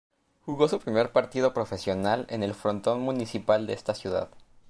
Jugó su primer partido profesional en el frontón Municipal de esta ciudad.